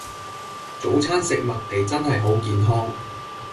早餐食麥皮真係好健康